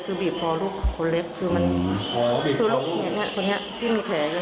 คือบีบพอลูกคนเล็กคือมันคือลูกนี้คนเนี้ยที่มีแขน